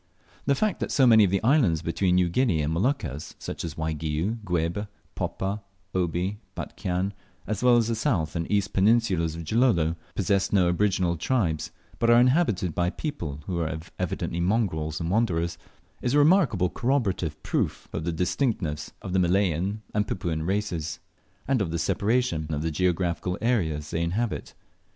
The fact that so many of the islands between New Guinea and the Moluccas such as Waigiou, Guebe, Poppa, Obi, Batchian, as well as the south and east peninsulas of Gilolo possess no aboriginal tribes, but are inhabited by people who are evidently mongrels and wanderers, is a remarkable corroborative proof of the distinctness of the Malayan and Papuan races, and the separation of the geographical areas they inhabit.